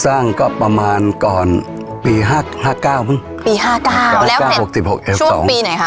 สร้างก็ประมาณก่อนปีห้าห้าเก้าครับศูนย์ปีนายค่ะหกสองพอดี